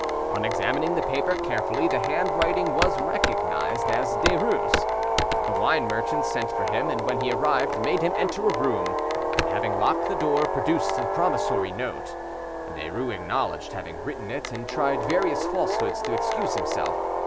On examining the paper carefully, the handwriting was recognised as Derues'. The wine merchant sent for him, and when he arrived, made him enter a room, and having locked the door, produced the promissory note. Derues acknowledged having written it, and tried various falsehoods to excuse himself.